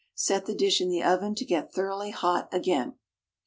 Set the dish in the oven to get thoroughly hot again.